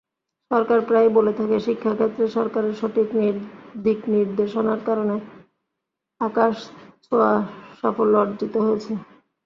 সরকার প্রায়ই বলে থাকে, শিক্ষাক্ষেত্রে সরকারের সঠিক দিকনির্দেশনার কারণে আকাশছেঁায়া সাফল্য অর্জিত হয়েছে।